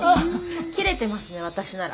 切れてますね私なら。